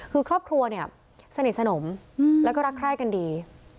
คือครอบครัวสนิทสนมแล้วก็รักคล้ายกันดี